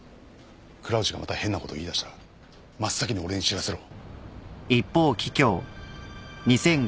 倉内がまた変なことを言いだしたら真っ先に俺に知らせろ。